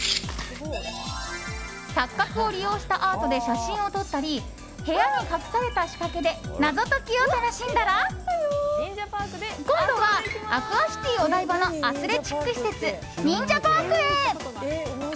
錯覚を利用したアートで写真を撮ったり部屋に隠された仕掛けで謎解きを楽しんだら今度は、アクアシティお台場のアスレチック施設ニンジャ☆パークへ。